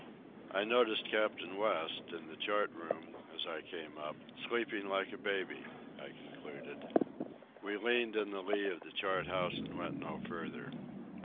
"I noticed Captain West, in the chart room, as I came up, sleeping like a baby," I concluded. We leaned in the lee of the chart house and went no farther.